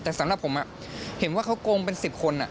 แต่สำหรับผมเห็นว่าเขาโกงเป็น๑๐คน